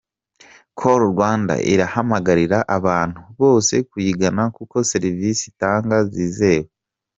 Call Rwanda irahamagarira abantu bose kuyigana kuko serivisi itanga zizewe.